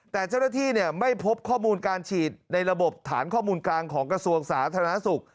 แต่เจ้าหน้าที่ไม่พบข้อมูลการฉีดในระบบฐานข้อมูลกลางของกระทรวงสาธารณสุข